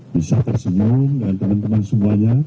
bisa tersenyum dengan teman teman semuanya